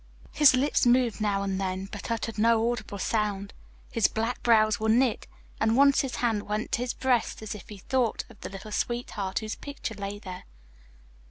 His lips moved now and then but uttered no audible sound, his black brows were knit, and once his hand went to his breast as if he thought of the little sweetheart whose picture lay there.